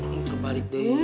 muter balik deh